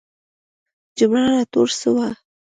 جمله را ټوله سوي.